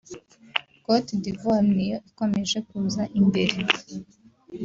Cote d’Ivoire niyo ikomeje kuza imbere